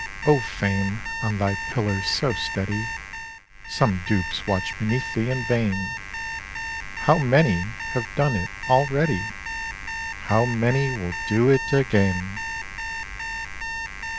O Fame! on thy pillar so steady, Some dupes watch beneath thee in vain: How many have done it already! How many will do it again!